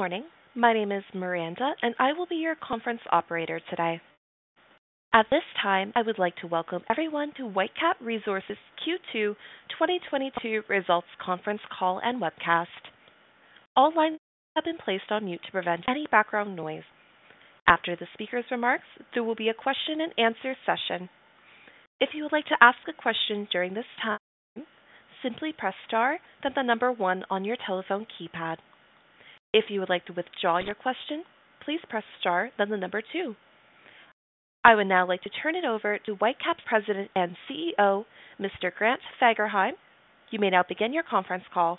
Good morning. My name is Miranda, and I will be your conference operator today. At this time, I would like to welcome everyone to Whitecap Resources Q2 2022 Results Conference Call and Webcast. All lines have been placed on mute to prevent any background noise. After the speaker's remarks, there will be a question-and-answer session. If you would like to ask a question during this time, simply press star, then the number one on your telephone keypad. If you would like to withdraw your question, please press star, then the number two. I would now like to turn it over to Whitecap President and CEO, Mr. Grant Fagerheim. You may now begin your conference call.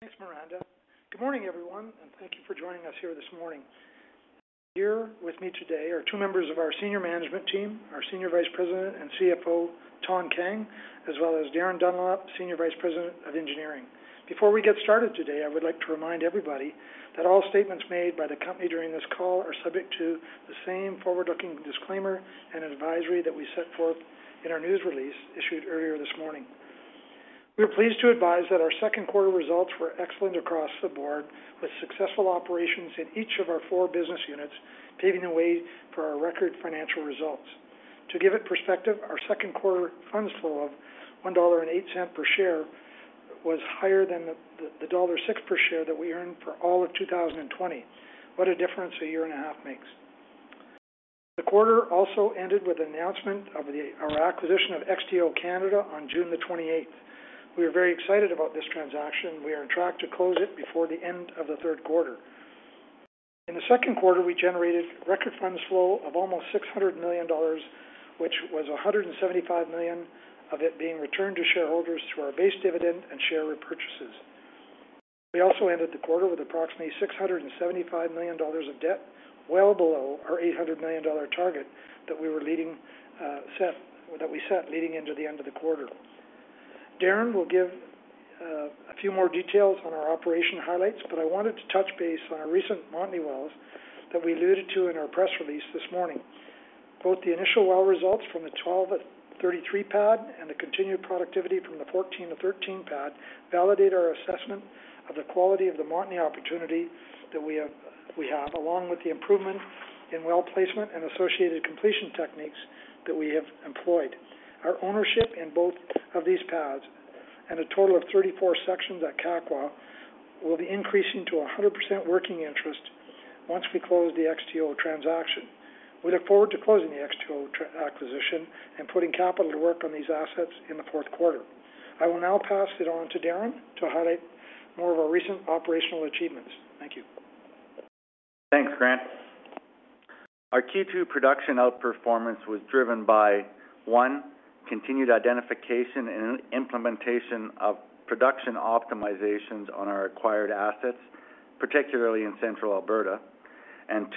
Thanks, Miranda. Good morning, everyone, and thank you for joining us here this morning. Here with me today are two members of our senior management team, our Senior Vice President and CFO, Thanh Kang, as well as Darin Dunlop, Senior Vice President of Engineering. Before we get started today, I would like to remind everybody that all statements made by the company during this call are subject to the same forward-looking disclaimer and advisory that we set forth in our news release issued earlier this morning. We are pleased to advise that our second quarter results were excellent across the board with successful operations in each of our four business units, paving the way for our record financial results. To give it perspective, our second quarter funds flow of 1.08 dollar per share was higher than the dollar 1.06 per share that we earned for all of 2020. What a difference a year and a half makes. The quarter also ended with the announcement of our acquisition of XTO Canada on June 28. We are very excited about this transaction. We are on track to close it before the end of the third quarter. In the second quarter, we generated record funds flow of almost 600 million dollars, which was 175 million of it being returned to shareholders through our base dividend and share repurchases. We also ended the quarter with approximately 675 million dollars of debt, well below our 800 million dollar target that we set leading into the end of the quarter. Darin will give a few more details on our operational highlights, but I wanted to touch base on our recent Montney wells that we alluded to in our press release this morning. Both the initial well results from the 12-33 pad and the continued productivity from the 14-13 pad validate our assessment of the quality of the Montney opportunity that we have, along with the improvement in well placement and associated completion techniques that we have employed. Our ownership in both of these pads and a total of 34 sections at Kakwa will be increasing to 100% working interest once we close the XTO transaction. We look forward to closing the XTO acquisition and putting capital to work on these assets in the fourth quarter. I will now pass it on to Darin to highlight more of our recent operational achievements. Thank you. Thanks, Grant. Our Q2 production outperformance was driven by, one, continued identification and implementation of production optimizations on our acquired assets, particularly in Central Alberta.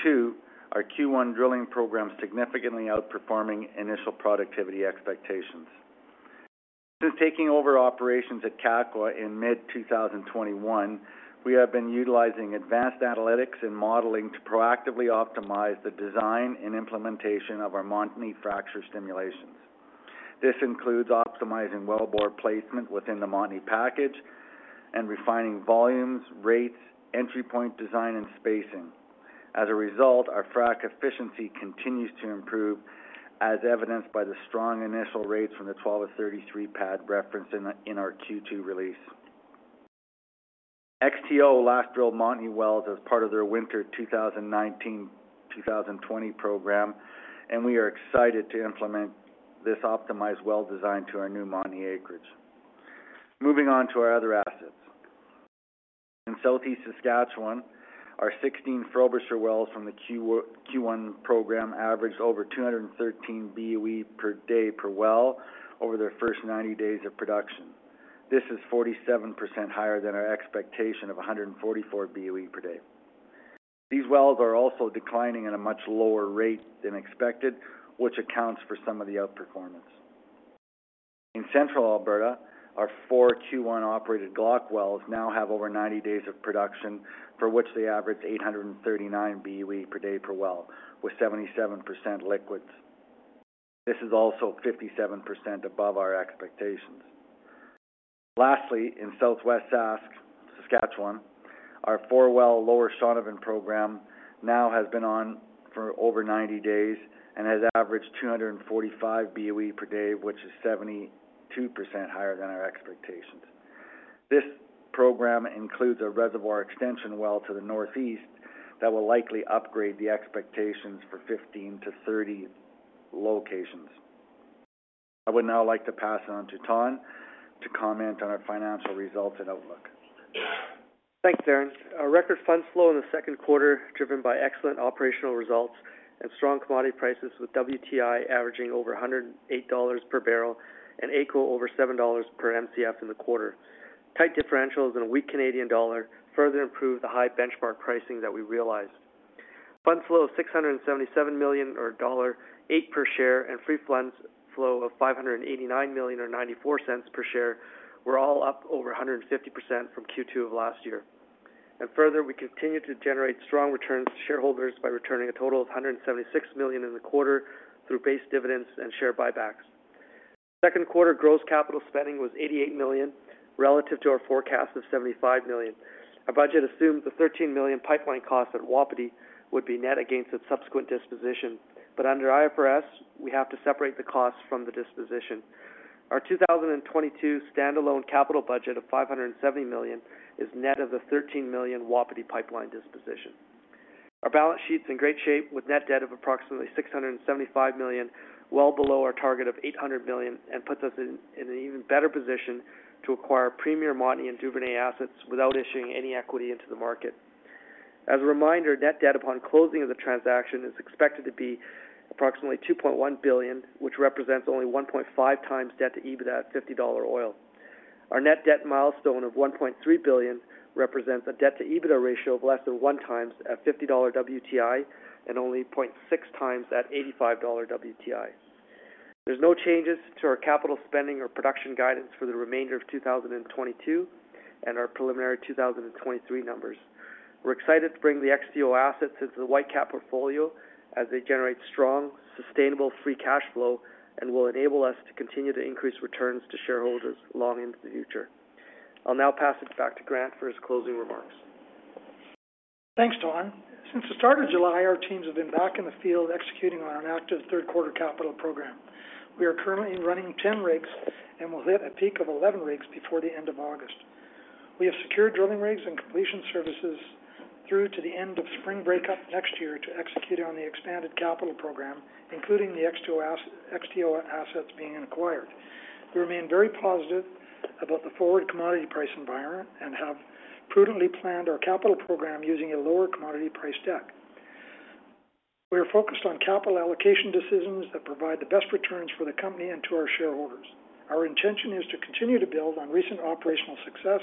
Two, our Q1 drilling program significantly outperforming initial productivity expectations. Since taking over operations at Kakwa in mid-2021, we have been utilizing advanced analytics and modeling to proactively optimize the design and implementation of our Montney fracture simulations. This includes optimizing well bore placement within the Montney package and refining volumes, rates, entry point design and spacing. As a result, our frack efficiency continues to improve as evidenced by the strong initial rates from the 12-33 pad referenced in our Q2 release. XTO last drilled Montney wells as part of their winter 2019-2020 program, and we are excited to implement this optimized well design to our new Montney acreage. Moving on to our other assets. In Southeast Saskatchewan, our 16 Frobisher wells from the Q1 program averaged over 213 BOE per day per well over their first 90 days of production. This is 47% higher than our expectation of 144 BOE per day. These wells are also declining at a much lower rate than expected, which accounts for some of the outperformance. In Central Alberta, our four Q1 operated Glauconite wells now have over 90 days of production, for which they average 839 BOE per day per well, with 77% liquids. This is also 57% above our expectations. Lastly, in Southwest Saskatchewan, our four well Lower Shaunavon program now has been on for over 90 days and has averaged 245 BOE per day, which is 72% higher than our expectations. This program includes a reservoir extension well to the northeast that will likely upgrade the expectations for 15-30 locations. I would now like to pass it on to Thanh to comment on our financial results and outlook. Thanks, Darin. Our record funds flow in the second quarter driven by excellent operational results and strong commodity prices with WTI averaging over $108 per barrel and AECO over 7 dollars per Mcf in the quarter. Tight differentials and a weak Canadian dollar further improved the high benchmark pricing that we realized. Funds flow of 677 million or dollar 1.08 per share and free funds flow of 589 million or 0.94 per share were all up over 150% from Q2 of last year. Further, we continued to generate strong returns to shareholders by returning a total of 176 million in the quarter through base dividends and share buybacks. Second quarter gross capital spending was 88 million relative to our forecast of 75 million. Our budget assumed the 13 million pipeline cost at Wapiti would be net against its subsequent disposition. Under IFRS, we have to separate the cost from the disposition. Our 2022 standalone capital budget of CAD 570 million is net of the CAD 13 million Wapiti pipeline disposition. Our balance sheet's in great shape with net debt of approximately 675 million, well below our target of 800 million, and puts us in an even better position to acquire premier Montney and Duvernay assets without issuing any equity into the market. As a reminder, net debt upon closing of the transaction is expected to be approximately 2.1 billion, which represents only 1.5x debt-to-EBITDA at $50 oil. Our net debt milestone of 1.3 billion represents a debt-to-EBITDA ratio of less than 1x at $50 WTI and only 0.6x at $85 WTI. There's no changes to our capital spending or production guidance for the remainder of 2022 and our preliminary 2023 numbers. We're excited to bring the XTO assets into the Whitecap portfolio as they generate strong, sustainable free cash flow and will enable us to continue to increase returns to shareholders long into the future. I'll now pass it back to Grant for his closing remarks. Thanks, Thanh. Since the start of July, our teams have been back in the field executing on our active third quarter capital program. We are currently running 10 rigs and will hit a peak of 11 rigs before the end of August. We have secured drilling rigs and completion services through to the end of spring breakup next year to execute on the expanded capital program, including the XTO assets being acquired. We remain very positive about the forward commodity price environment and have prudently planned our capital program using a lower commodity price deck. We are focused on capital allocation decisions that provide the best returns for the company and to our shareholders. Our intention is to continue to build on recent operational success,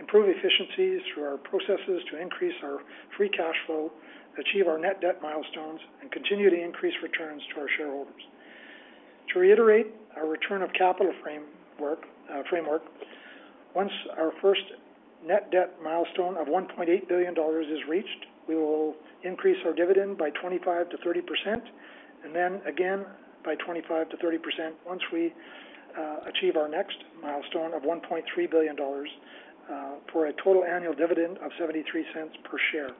improve efficiencies through our processes to increase our free cash flow, achieve our net debt milestones, and continue to increase returns to our shareholders. To reiterate our return of capital framework, once our first net debt milestone of 1.8 billion dollars is reached, we will increase our dividend by 25%-30%, and then again by 25%-30% once we achieve our next milestone of 1.3 billion dollars, for a total annual dividend of 0.73 per share.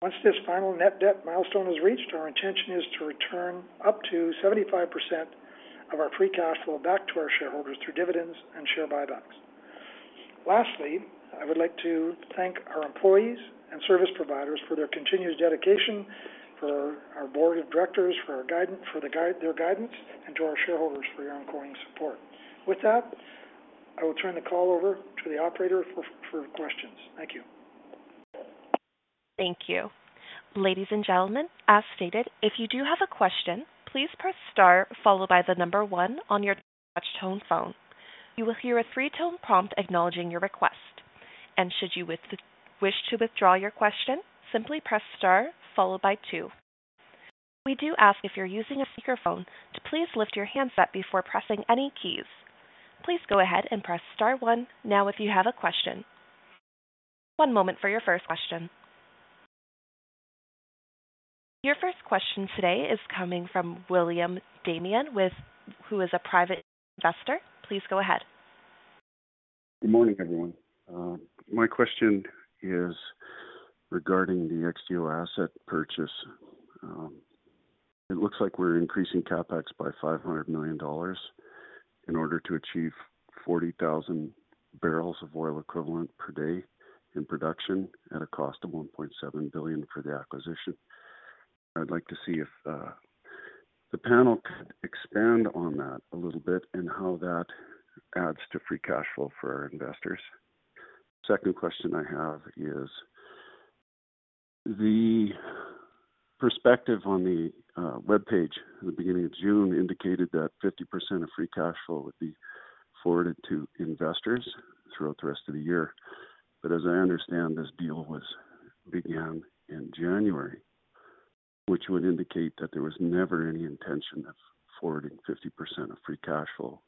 Once this final net debt milestone is reached, our intention is to return up to 75% of our free cash flow back to our shareholders through dividends and share buybacks. Lastly, I would like to thank our employees and service providers for their continuous dedication, for our Board of Directors for their guidance, and to our shareholders for your ongoing support. With that, I will turn the call over to the operator for questions. Thank you. Thank you. Ladies, and gentlemen, as stated, if you do have a question, please press star followed by the number one on your touch tone phone. You will hear a three-tone prompt acknowledging your request. Should you wish to withdraw your question, simply press star followed by two. We do ask if you're using a speakerphone to please lift your handset before pressing any keys. Please go ahead and press star one now if you have a question. One moment for your first question. Your first question today is coming from William Damian, who is a Private Investor. Please go ahead. Good morning, everyone. My question is regarding the XTO asset purchase. It looks like we're increasing CapEx by 500 million dollars in order to achieve 40,000 barrels of oil equivalent per day in production at a cost of 1.7 billion for the acquisition. I'd like to see if the panel could expand on that a little bit and how that adds to free cash flow for our investors. Second question I have is the press release on the webpage at the beginning of June indicated that 50% of free cash flow would be forwarded to investors throughout the rest of the year. As I understand, this deal was began in January, which would indicate that there was never any intention of forwarding 50% of free cash flow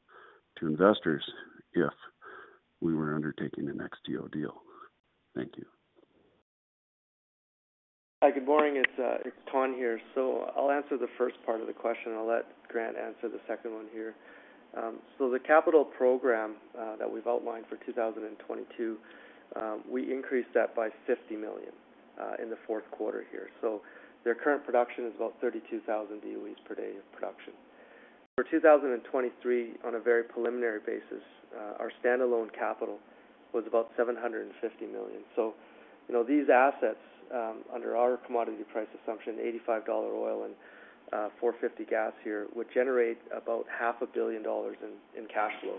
to investors if we were undertaking an XTO deal. Thank you. Hi, good morning. It's Thanh here. I'll answer the first part of the question. I'll let Grant answer the second one here. The capital program that we've outlined for 2022, we increased that by 50 million in the fourth quarter here. Their current production is about 32,000 BOE per day of production. For 2023, on a very preliminary basis, our standalone capital was about 750 million. You know, these assets, under our commodity price assumption, $85 oil and 4.50 gas here, would generate about $500 million in cash flow.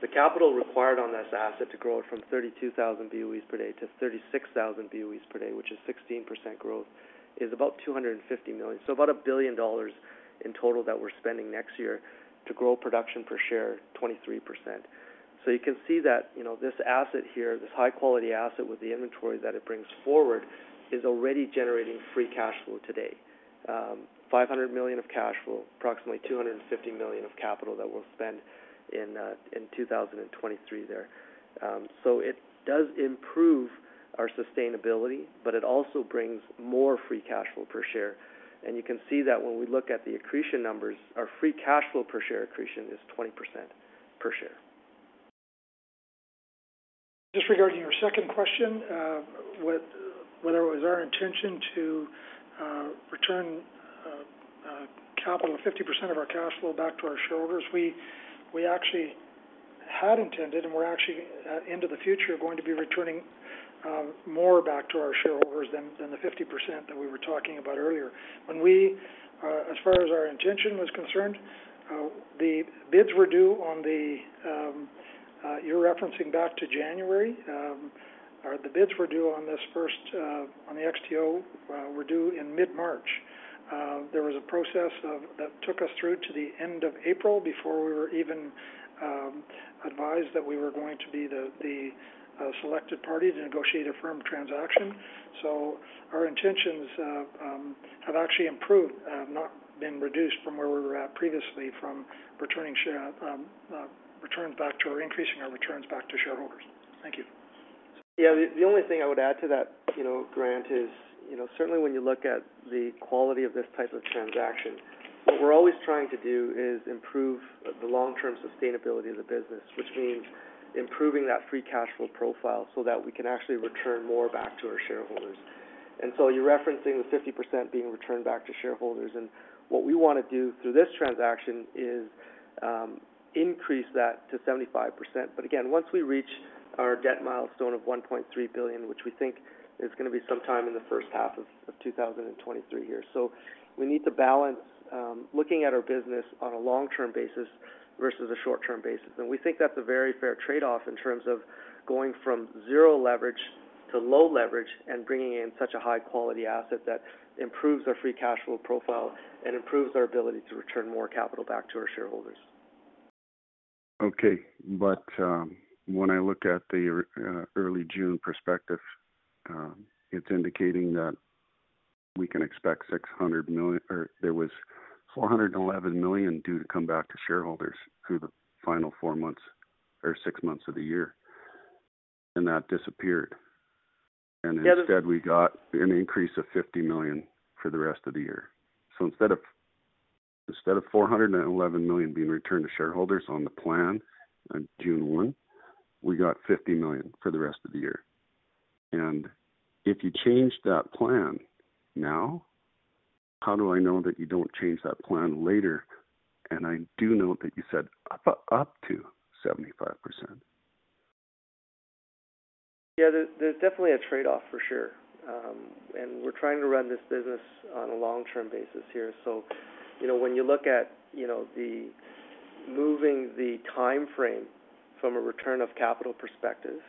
The capital required on this asset to grow it from 32,000 BOE per day to 36,000 BOE per day, which is 16% growth, is about CAD 250 million. About 1 billion dollars in total that we're spending next year to grow production per share 23%. You can see that, you know, this asset here, this high-quality asset with the inventory that it brings forward, is already generating free cash flow today. 500 million of cash flow, approximately 250 million of capital that we'll spend in 2023 there. It does improve our sustainability, but it also brings more free cash flow per share. You can see that when we look at the accretion numbers, our free cash flow per share accretion is 20% per share. Just regarding your second question, whether it was our intention to return capital, 50% of our cash flow back to our shareholders. We actually had intended, and we're actually into the future going to be returning more back to our shareholders than the 50% that we were talking about earlier. As far as our intention was concerned, the bids were due on the, you're referencing back to January, or the bids were due on this first, on the XTO were due in mid-March. There was a process that took us through to the end of April before we were even advised that we were going to be the selected party to negotiate a firm transaction. Our intentions have actually improved, not been reduced from where we were at previously from returning share returns back to or increasing our returns back to shareholders. Thank you. Yeah. The only thing I would add to that, you know, Grant, is, you know, certainly when you look at the quality of this type of transaction, what we're always trying to do is improve the long-term sustainability of the business, which means improving that free cash flow profile so that we can actually return more back to our shareholders. You're referencing the 50% being returned back to shareholders, and what we wanna do through this transaction is increase that to 75%. Once we reach our debt milestone of 1.3 billion, which we think is gonna be sometime in the first half of 2023 here. We need to balance looking at our business on a long-term basis versus a short-term basis. We think that's a very fair trade-off in terms of going from zero leverage to low leverage and bringing in such a high-quality asset that improves our free cash flow profile and improves our ability to return more capital back to our shareholders. When I look at the early June perspective, it's indicating that we can expect 600 million. There was 411 million due to come back to shareholders through the final four months or six months of the year, and that disappeared. The other- Instead, we got an increase of 50 million for the rest of the year. Instead of 411 million being returned to shareholders on the plan on June 1, we got 50 million for the rest of the year. If you change that plan now, how do I know that you don't change that plan later? I do note that you said up to 75%. Yeah. There's definitely a trade-off for sure. We're trying to run this business on a long-term basis here. You know, when you look at the moving the time frame from a return of capital perspective,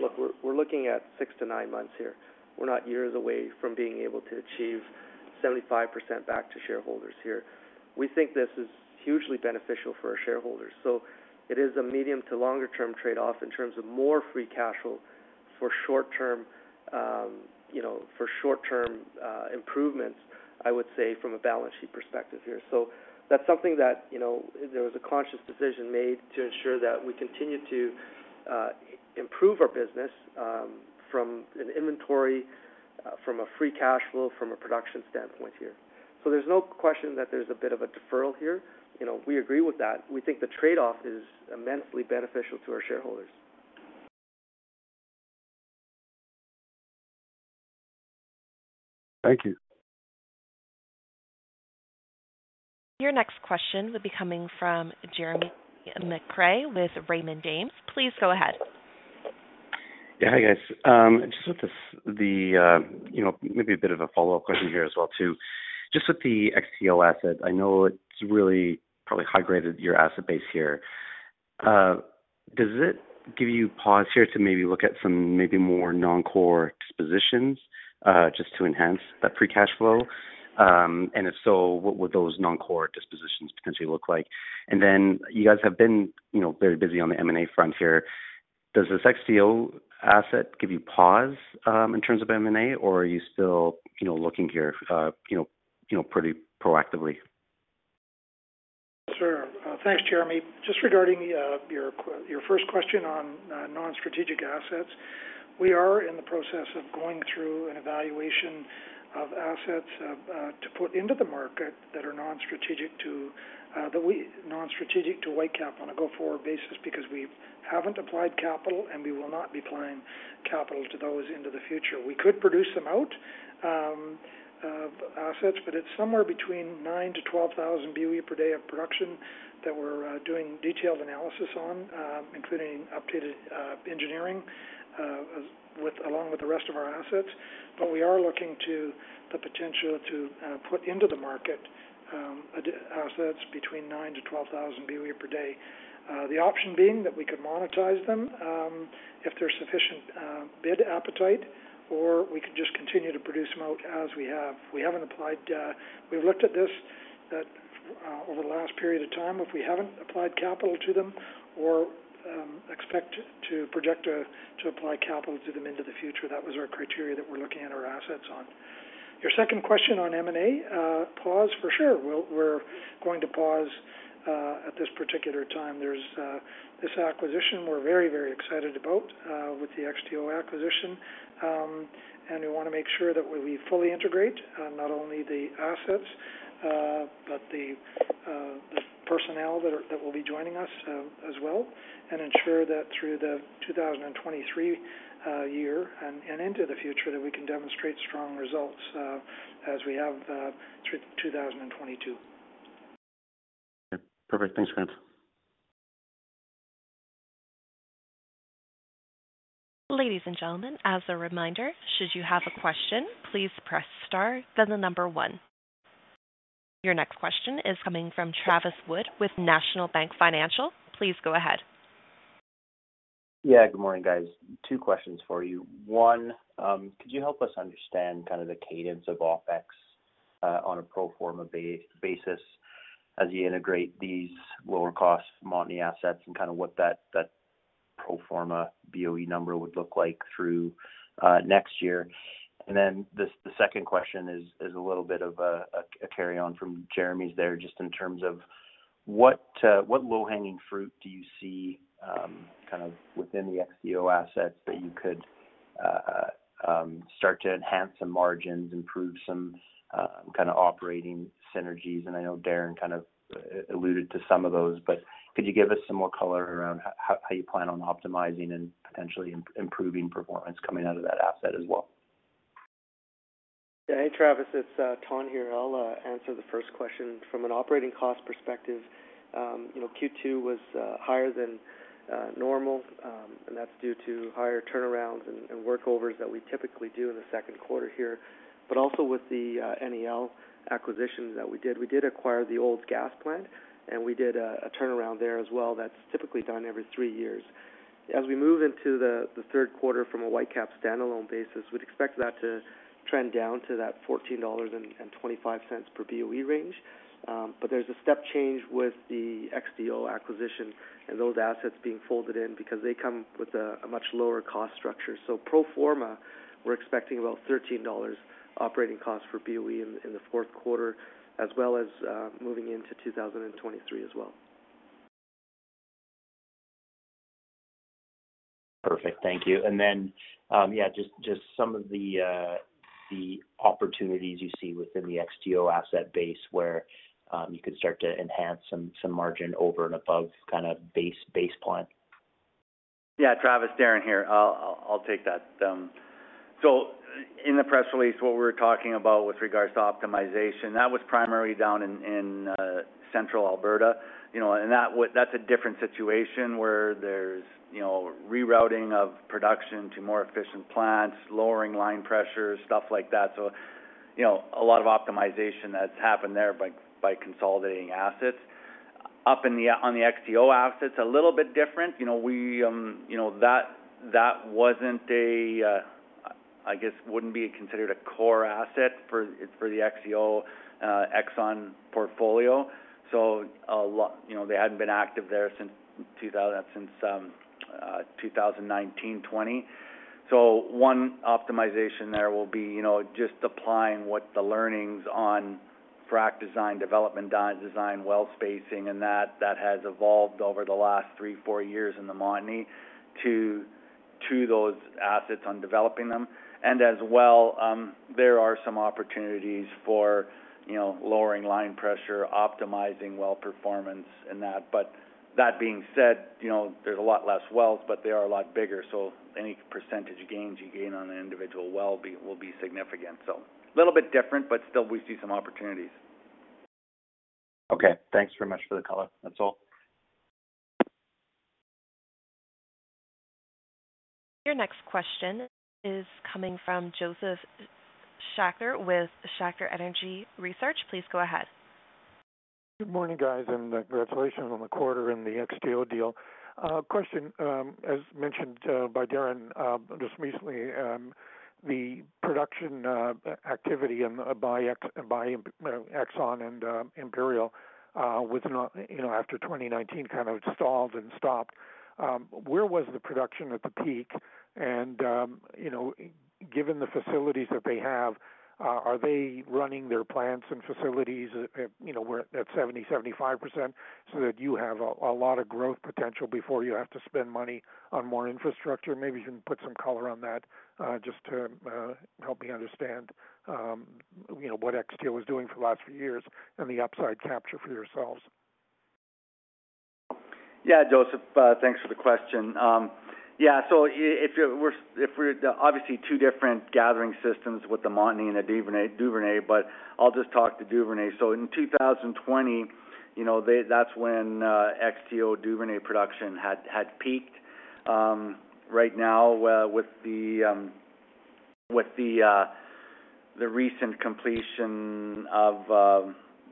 look, we're looking at six to nine months here. We're not years away from being able to achieve 75% back to shareholders here. We think this is hugely beneficial for our shareholders. It is a medium to longer term trade-off in terms of more free cash flow for short term improvements, I would say, from a balance sheet perspective here. That's something that there was a conscious decision made to ensure that we continue to improve our business from an inventory, from a free cash flow, from a production standpoint here. There's no question that there's a bit of a deferral here. You know, we agree with that. We think the trade-off is immensely beneficial to our shareholders. Thank you. Your next question would be coming from Jeremy McCrea with Raymond James. Please go ahead. Yeah. Hi, guys. Just with this, you know, maybe a bit of a follow-up question here as well, too. Just with the XTO asset, I know it's really probably high-graded your asset base here. Does it give you pause here to maybe look at some maybe more non-core dispositions, just to enhance that free cash flow? If so, what would those non-core dispositions potentially look like? Then you guys have been, you know, very busy on the M&A front here. Does this XTO asset give you pause, in terms of M&A, or are you still, you know, looking here, you know, pretty proactively? Sure. Thanks, Jeremy. Just regarding your first question on non-strategic assets, we are in the process of going through an evaluation of assets to put into the market that are non-strategic to Whitecap on a go-forward basis because we haven't applied capital, and we will not be applying capital to those into the future. We could produce them out, assets, but it's somewhere between 9,000-12,000 BOE per day of production that we're doing detailed analysis on, including updated engineering along with the rest of our assets. But we are looking to the potential to put into the market assets between 9,000-12,000 BOE per day. The option being that we could monetize them, if there's sufficient bid appetite, or we could just continue to produce them out as we have. We've looked at that over the last period of time, if we haven't applied capital to them or expect to project to apply capital to them into the future. That was our criteria that we're looking at our assets on. Your second question on M&A, pause for sure. We're going to pause at this particular time. There's this acquisition we're very, very excited about with the XTO acquisition. We wanna make sure that we fully integrate not only the assets but the personnel that will be joining us as well, and ensure that through the 2023 year and into the future that we can demonstrate strong results as we have through 2022. Okay. Perfect. Thanks, Grant. Ladies, and gentlemen, as a reminder, should you have a question, please press star, then the number one. Your next question is coming from Travis Wood with National Bank Financial. Please go ahead. Yeah, good morning, guys. Two questions for you. One, could you help us understand kind of the cadence of OpEx on a pro forma basis as you integrate these lower cost Montney assets and kind of what that pro forma BOE number would look like through next year? Then the second question is a little bit of a carry on from Jeremy's there, just in terms of what low-hanging fruit do you see kind of within the XTO assets that you could start to enhance some margins, improve some kind of operating synergies? I know Darin kind of alluded to some of those, but could you give us some more color around how you plan on optimizing and potentially improving performance coming out of that asset as well? Hey, Travis, it's Thanh here. I'll answer the first question. From an operating cost perspective, you know, Q2 was higher than normal, and that's due to higher turnarounds and workovers that we typically do in the second quarter here. Also with the NAL acquisition that we did, we did acquire the old gas plant, and we did a turnaround there as well. That's typically done every three years. As we move into the third quarter from a Whitecap standalone basis, we'd expect that to trend down to that 14.25 dollars per BOE range. There's a step change with the XTO acquisition and those assets being folded in because they come with a much lower cost structure. Pro forma, we're expecting about 13 dollars operating costs for BOE in the fourth quarter as well as moving into 2023 as well. Perfect. Thank you. Yeah, just some of the opportunities you see within the XTO asset base where you could start to enhance some margin over and above kind of base plan. Yeah. Travis, Darin here. I'll take that. In the press release, what we're talking about with regards to optimization, that was primarily down in Central Alberta. You know, that's a different situation where there's rerouting of production to more efficient plants, lowering line pressures, stuff like that. You know, a lot of optimization that's happened there by consolidating assets. On the XTO assets, a little bit different. You know, that wasn't, I guess, a core asset for the XTO Exxon portfolio. You know, they hadn't been active there since 2019, 2020. One optimization there will be, you know, just applying what the learnings on frack design, development design, well spacing, and that that has evolved over the last three to four years in the Montney to those assets on developing them. As well, there are some opportunities for, you know, lowering line pressure, optimizing well performance and that. That being said, you know, there's a lot less wells, but they are a lot bigger, so any percentage gains you gain on an individual well will be significant. A little bit different, but still we see some opportunities. Okay. Thanks very much for the color. That's all. Your next question is coming from Josef Schachter with Schachter Energy Research. Please go ahead. Good morning, guys, and congratulations on the quarter and the XTO deal. Question, as mentioned by Darin just recently, the production activity by Exxon and Imperial was not, you know, after 2019 kind of stalled and stopped. Where was the production at the peak? Given the facilities that they have, are they running their plants and facilities at, you know, we're at 70%-75% so that you have a lot of growth potential before you have to spend money on more infrastructure? Maybe you can put some color on that just to help me understand, you know, what XTO was doing for the last few years and the upside capture for yourselves. Yeah. Josef, thanks for the question. If we're obviously two different gathering systems with the Montney and the Duvernay, but I'll just talk to Duvernay. In 2020, you know, that's when XTO Duvernay production had peaked. Right now, with the recent completion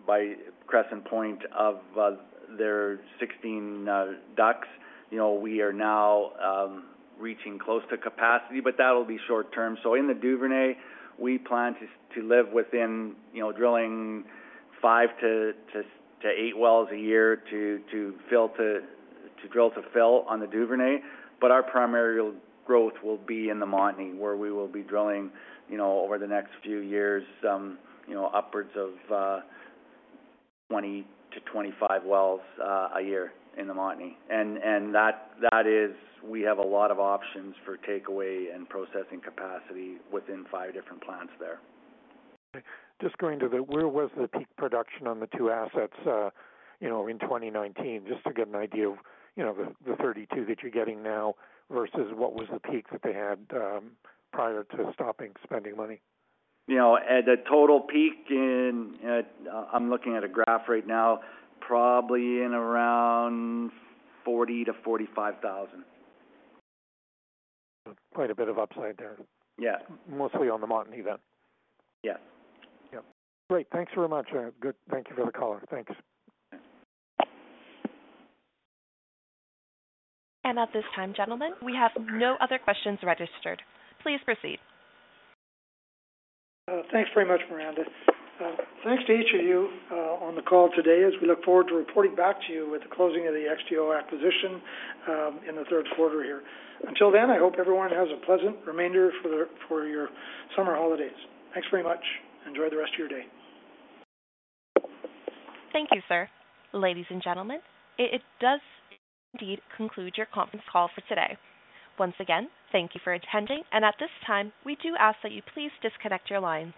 by Crescent Point of their 16 DUCs. You know, we are now reaching close to capacity, but that'll be short term. In the Duvernay, we plan to live within, you know, drilling five to eight wells a year to drill to fill on the Duvernay. Our primary growth will be in the Montney, where we will be drilling, you know, over the next few years, you know, upwards of 20-25 wells a year in the Montney. That is, we have a lot of options for takeaway and processing capacity within five different plants there. Just going to where was the peak production on the two assets, you know, in 2019? Just to get an idea of, you know, the 32,000 that you're getting now versus what was the peak that they had prior to stopping spending money. You know, at the total peak in, I'm looking at a graph right now, probably in around 40,000-45,000. Quite a bit of upside there. Yeah. Mostly on the Montney then. Yes. Yeah. Great. Thanks very much. Good. Thank you for the call. Thanks. At this time, gentlemen, we have no other questions registered. Please proceed. Thanks very much, Miranda. Thanks to each of you on the call today as we look forward to reporting back to you with the closing of the XTO acquisition in the third quarter here. Until then, I hope everyone has a pleasant remainder of your summer holidays. Thanks very much. Enjoy the rest of your day. Thank you, sir. Ladies, and gentlemen, it does indeed conclude your conference call for today. Once again, thank you for attending, and at this time, we do ask that you please disconnect your lines.